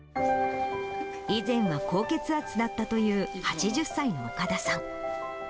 以前は高血圧だったという８０歳の岡田さん。